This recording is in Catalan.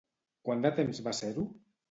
Quant de temps va ser-ho?